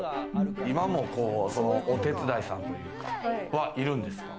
今もお手伝いさんはいるんですか？